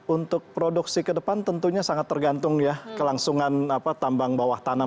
untuk produksi ke depan tentunya sangat tergantung ya kelangsungan tambang bawah tanah